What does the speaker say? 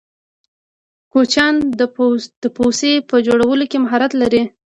کوچیان د پوڅې په جوړولو کی مهارت لرې.